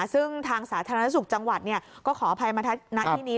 ซึ่งทางสาธารณสุขจังหวัดก็ขออภัยมาณที่นี้